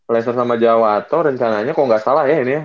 leister sama jawato rencananya kok gak salah ya ini ya